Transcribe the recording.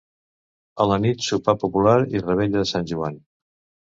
A la nit sopar popular i revetlla de Sant Joan.